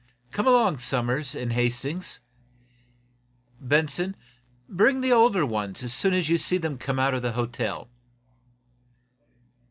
Come along, Somers and Hastings. Benson, bring the older ones as soon as you see them come out of the hotel."